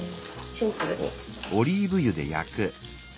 シンプルに。